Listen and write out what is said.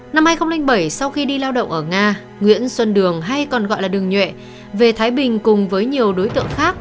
năm hai nghìn bảy sau khi đi lao động ở nga nguyễn xuân đường hay còn gọi là đường nhuệ về thái bình cùng với nhiều đối tượng khác